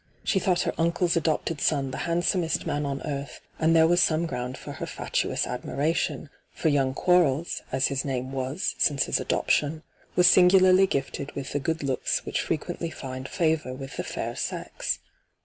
She thought her uncle's adopted son the handsomest man on earth ; hyGoo>^lc ENTRAPPED i r and there was some ground for her fatuous admiration, for young Quarles, as his name was since his adoption, was singularly gifted with the good looks which frequently find favour with the fair sex.